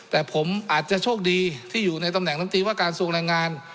แต่ผมอาจจะโชคดีที่อยู่ในตำแหน่งลำตีว่าการทรงแรงงาน